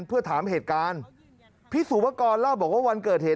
เพื่อถามเหตุการณ์พี่สุวกรเล่าบอกว่าวันเกิดเหตุ